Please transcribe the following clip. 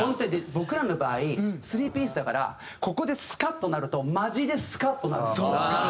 僕らの場合３ピースだからここでスカッとなるとマジでスカッとなるんですよ。